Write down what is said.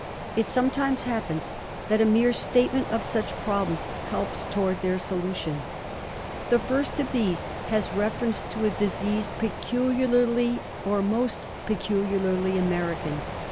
It 'sometimes happens that a mere statement of such problems helps towards their solution. The first of these has reference to a disease peculiarly, or almost peculiarly, American.